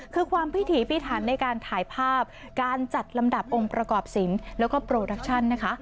คือความพิถีพิถันในการถ่ายภาพการจัดลำดับองค์ประกอบศิลป์แล้วก็โปรดักชั่นนะคะ